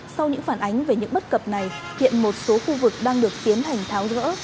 sau những phản ánh về những bất cập này hiện một số khu vực đang được tiến hành tháo gỡ